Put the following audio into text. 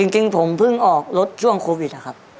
จริงผมเพิ่งออกรถช่วงโควิดนะครับ